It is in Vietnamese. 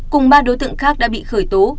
cùng ba đối tượng khác đã bị khởi tố